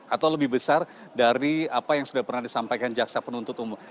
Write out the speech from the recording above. mungkin hal hal lebih besar dari apa yang sudah pernah disampaikan jaksa penuntut umum